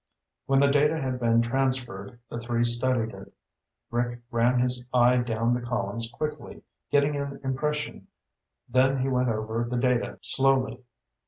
When the data had been transferred, the three studied it. Rick ran his eye down the columns quickly, getting an impression, then he went over the data slowly.